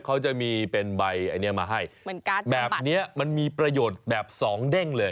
เขาจะมีเป็นใบอันนี้มาให้แบบนี้มันมีประโยชน์แบบ๒เด้งเลย